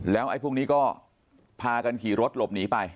แล้วไอ้พวกนี้ก็พากันขี่รถหลบหนีไป